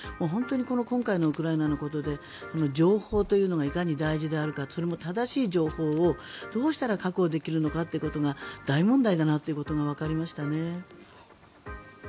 本当に今回のウクライナのことで情報というのがいかに大事であるかそれも正しい情報をどうしたら確保できるのかということが大問題だなということがわかりましたね。